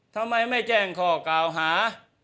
ทำไมไม่แจ้งข้อกล่าวหา